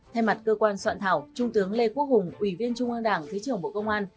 thay mặt cơ quan soạn thảo trung tướng lê quốc hùng ủy viên trung an đảng thứ trưởng bộ công an